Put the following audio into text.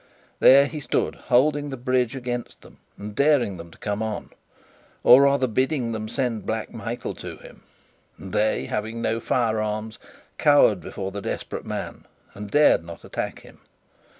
There he stood, holding the bridge against them, and daring them to come on; or, rather, bidding them send Black Michael to him; and they, having no firearms, cowered before the desperate man and dared not attack him.